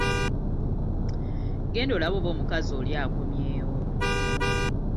Genda olabe oba omukazi oli akomyewo.